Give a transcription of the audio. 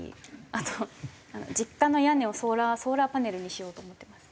あと実家の屋根をソーラーパネルにしようと思ってます。